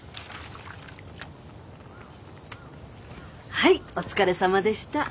はいお疲れさまでした。